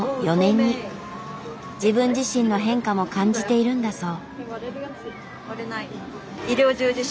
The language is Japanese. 自分自身の変化も感じているんだそう。